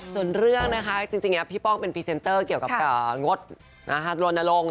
ส่วนเรื่องนะคะจริงพี่ป้องเป็นพรีเซนเตอร์เกี่ยวกับงดลนลง